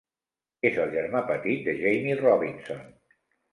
És el germà petit de Jamie Robinson.